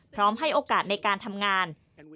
พร้อมให้โอกาสในการทำงาน